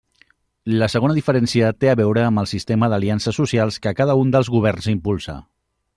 La segona diferència té a veure amb el sistema d'aliances socials que cada un dels governs impulsa.